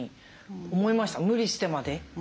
無理してまで。